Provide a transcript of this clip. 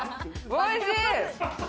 おいしい！